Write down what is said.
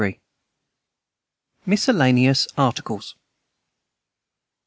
MISCELLANEOUS ARTICLES.